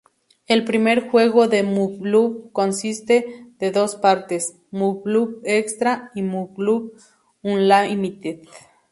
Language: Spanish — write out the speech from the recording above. El primer juego de Muv-Luv, consiste de dos partes: Muv-Luv Extra y Muv-Luv Unlimited.